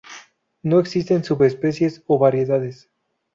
No existen subespecies o variedades.